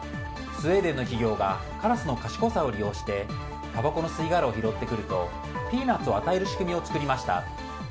スウェーデンの企業がカラスの賢さを利用してたばこの吸い殻を拾ってくるとピーナツを与える仕組みを作りました。